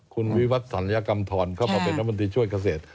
คุณวิวัฒน์ศัลยกรรมธรณ์เขาเป็นน้ำบัญชีช่วยเกษตร